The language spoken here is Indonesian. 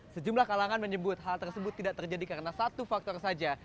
sejumlah kalangan menyebut hal tersebut tidak terjadi karena satu faktor saja